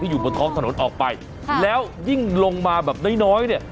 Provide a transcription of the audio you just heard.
อยู่บนท้องถนนออกไปแล้วยิ่งลงมาแบบน้อยน้อยเนี่ย